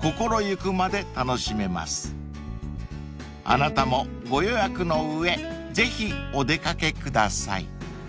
［あなたもご予約の上ぜひお出掛けください］